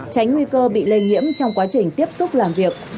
tránh nguy cơ bị lây nhiễm trong quá trình tiếp xúc làm việc